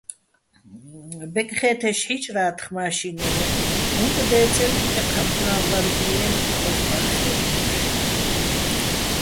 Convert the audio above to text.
ბეკხე́თეშ ჰ̦ი́ჭრა́თხ მაშინერეჼ, უ̂ნკ დე́წელო ეჴამფლა́ჼ ვარბი-აჲნო̆, ვაშბა́ხ ხე́ტტოშ.